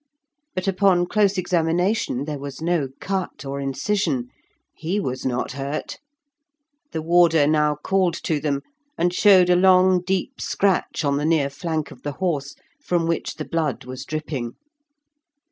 But, upon close examination, there was no cut or incision; he was not hurt. The warder now called to them, and showed a long deep scratch on the near flank of the horse, from which the blood was dripping.